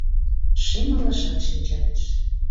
Шем алашат шинчалеш